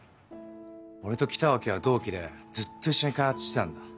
俺と北脇は同期でずっと一緒に開発してたんだ。